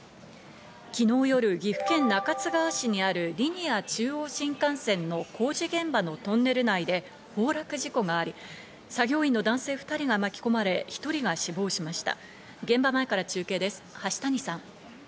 昨日夜、岐阜県中津川市にあるリニア中央新幹線の工事現場のトンネル内で崩落事故があり、作業員の男性２人が巻き込まれ１人が死亡しました。